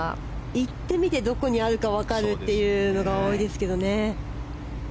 行ってみてどこにあるか分かるというのが多いですけどね。